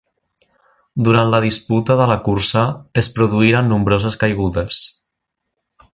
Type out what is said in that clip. Durant la disputa de la cursa es produïren nombroses caigudes.